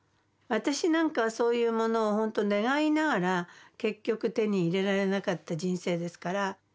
私なんかはそういうものを本当願いながら結局手に入れられなかった人生ですから。